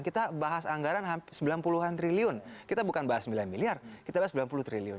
kita bahas anggaran sembilan puluh an triliun kita bukan bahas sembilan miliar kita bahas sembilan puluh triliun